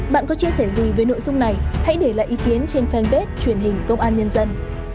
bạn có chia sẻ gì về nội dung này hãy để lại ý kiến trên fanpage truyền hình công an nhân dân